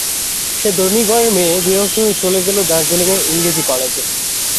সে ধনী ঘরের মেয়ে, বিরক্ত হয়ে চলে গেল দার্জিলিঙে ইংরেজি কলেজে।